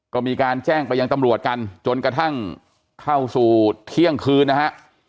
ก็มีการแจ้งไปยังตำรวจกันจนกระทั่งเข้าสู่เที่ยงคืนนะฮะ